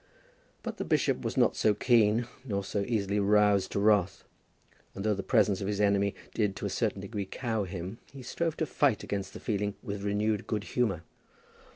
But the bishop was not so keen, nor so easily roused to wrath; and though the presence of his enemy did to a certain degree cow him, he strove to fight against the feeling with renewed good humour.